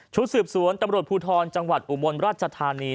สืบสวนตำรวจภูทรจังหวัดอุบลราชธานี